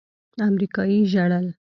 امريکايي ژړل.